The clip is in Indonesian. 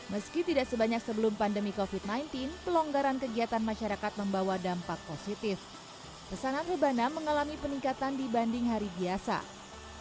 meski tidak sebanyak sebelum pandemi covid sembilan belas pelonggaran kegiatan masyarakat membawa dampak positif pesanan rebana mengalami peningkatan dibanding hari biasa jika biasanya mereka hanya mendapat lima pesanan perbulan pada ramadhan ini sudah ada delapan pesanan